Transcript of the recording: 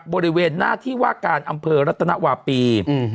บริเวณหน้าที่ว่าการอำเภอรัตนวาปี